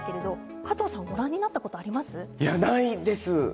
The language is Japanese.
加藤さんないです。